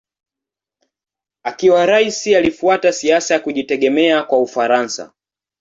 Akiwa rais alifuata siasa ya kujitegemea kwa Ufaransa.